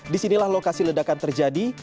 disinilah lokasi ledakan terjadi